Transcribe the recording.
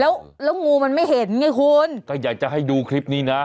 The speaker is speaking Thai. แล้วแล้วงูมันไม่เห็นไงคุณก็อยากจะให้ดูคลิปนี้นะ